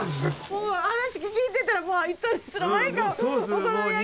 もう話聞いてたらもういつの間にかお好み焼きが。